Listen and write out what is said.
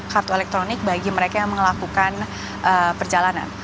kartu elektronik bagi mereka yang melakukan perjalanan